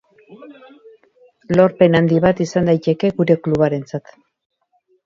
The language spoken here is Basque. Lorpen handi bat izan daiteke gure klubarentzat.